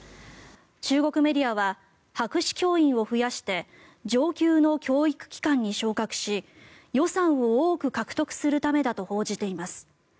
中国メディアは博士教員を増やして上級の教育機関に昇格し予算を多く獲得するためだと報じています。